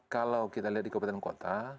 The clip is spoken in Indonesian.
kalau kita lihat di kabupaten kota